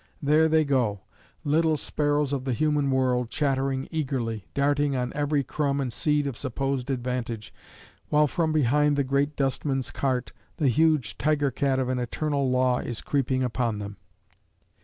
There they go little sparrows of the human world, chattering eagerly, darting on every crumb and seed of supposed advantage! while from behind the great dustman's cart, the huge tiger cat of an eternal law is creeping upon them.